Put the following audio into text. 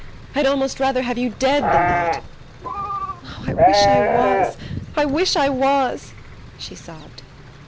I'd a'most rather have you dead than that!" "Oh, I wish I was, I wish I was!" she sobbed.